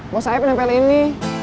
mau saeb nempel ini